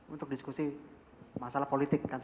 untuk diskusi masalah politik kan